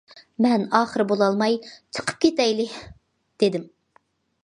مەن ئاخىر بولالماي،« چىقىپ كېتەيلى» دېدىم.